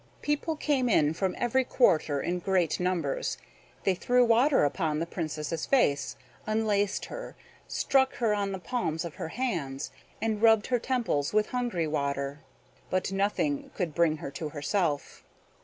People came in from every quarter in great numbers; they threw water upon the Princess's face, unlaced her, struck her on the palms of her hands, and rubbed her temples with Hungary water; but nothing would bring her to herself.